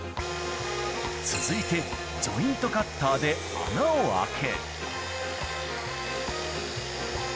続いてジョイントカッターで穴を開け。